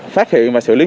phát hiện và xử lý nghiêm